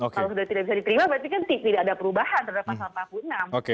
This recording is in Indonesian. kalau sudah tidak bisa diterima berarti kan tidak ada perubahan terhadap pasal empat puluh enam